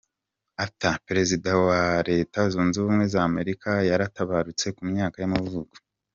Arthur, perezida wa wa Leta zunze ubumwe za Amerika yaratabarutse ku myaka y’amavuko.